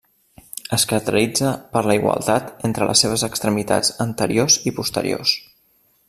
Es caracteritza per la igualtat entre les seves extremitats anteriors i posteriors.